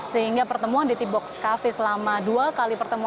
sehingga pertemuan di t box cafe selama dua kali pertemuan